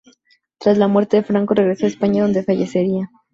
Tras la muerte de Franco regresó a España, donde fallecería.